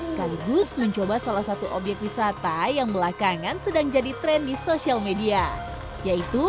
sekaligus mencoba salah satu obyek wisata yang belakangan sedang jadi tren di sosial media yaitu